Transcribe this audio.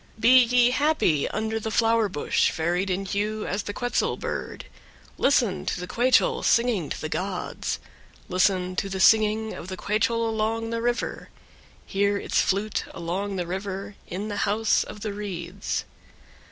7. Be ye happy under the flower bush varied in hue as the quetzal bird; listen to the quechol singing to the gods; listen to the singing of the quechol along the river; hear its flute along the river in the house of the reeds.